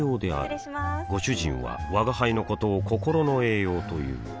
失礼しまーすご主人は吾輩のことを心の栄養という